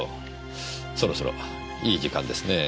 そろそろいい時間ですね。